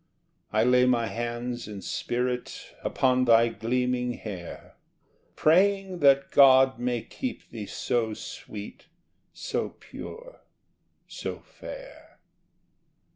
I lay my hands, in spirit, Upon thy gleaming hair, Praying that God may keep thee So sweet, so pure, so fair.